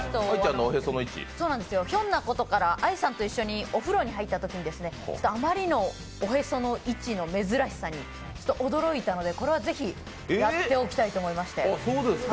ひょんなことから愛さんと一緒にお風呂に入ったときにあまりのおへその位置の珍しさに驚いたのでこれはぜひやっておきたいと思いまして。